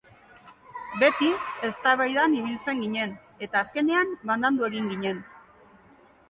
Beti eztabaidan ibiltzen ginen eta azkenean banandu egin ginen.